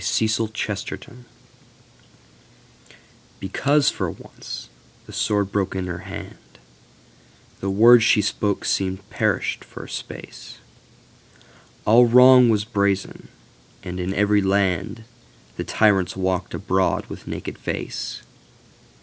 Cecil Chesterton France BECAUSE for once the sword broke in her hand, The words she spoke seemed perished for a space; All wrong was brazen, and in every landThe tyrants walked abroad with naked face.